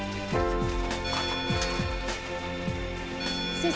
先生